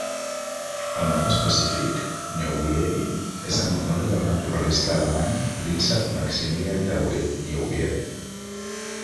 El nom específic, "neuwiedii", és en honor del naturalista alemany Príncep Maximilian de Wied-Neuwied.